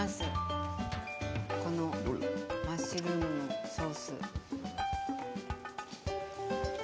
このマッシュルームのソース。